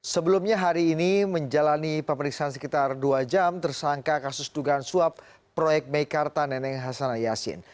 sebelumnya hari ini menjalani pemeriksaan sekitar dua jam tersangka kasus dugaan suap proyek meikarta neneng hasanah yasin